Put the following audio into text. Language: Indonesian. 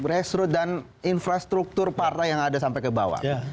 restroot dan infrastruktur partai yang ada sampai ke bawah